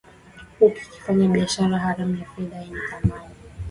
huku akifanya biashara haramu ya fedha yenye dhamani